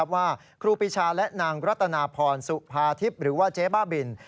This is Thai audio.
ครูปีชาและนางรัตนาพรสุภาทิพย์หรือว่าเจ๊บ้าบิน